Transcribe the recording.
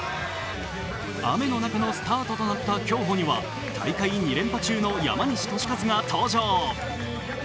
雨の中のスタートとなった競歩には大会２連覇中の山西利和が登場。